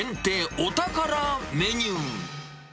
お宝メニュー。